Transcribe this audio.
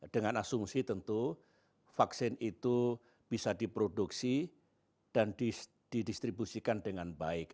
dengan asumsi tentu vaksin itu bisa diproduksi dan didistribusikan dengan baik